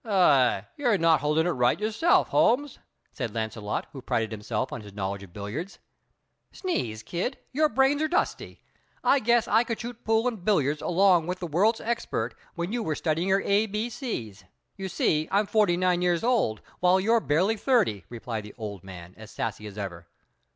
"Aw, you're not holding it right yourself, Holmes," said Launcelot, who prided himself on his knowledge of billiards. "Sneeze, kid, your brains are dusty. I guess I could shoot pool and billiards along with the world's experts when you were studying your A, B, C's! You see, I'm forty nine years old, while you're barely thirty," replied the old boy, as sassy as ever.